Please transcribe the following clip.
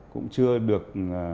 cũng chưa được